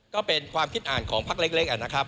ก็เป็นความคิดอ่านของพักเล็กนะครับ